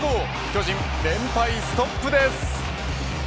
巨人、連敗ストップです。